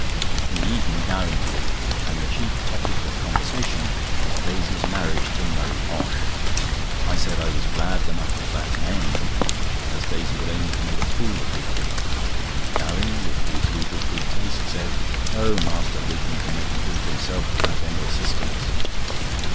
In the evening Gowing called, and the chief topic of conversation was Daisy's marriage to Murray Posh. I said: "I was glad the matter was at an end, as Daisy would only have made a fool of Lupin." Gowing, with his usual good taste, said: "Oh, Master Lupin can make a fool of himself without any assistance."